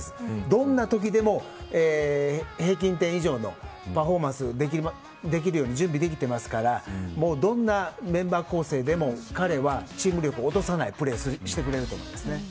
どんなときでも平均点以上のパフォーマンスができるように準備できていますからどんなメンバー構成でも彼はチーム力を落とさないプレーをしてくれると思います。